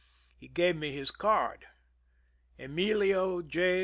He gave me his card :" Emilio J.